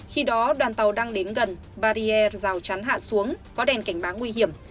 khi đó đoàn tàu đang đến gần barrier rào chắn hạ xuống có đèn cảnh báo nguy hiểm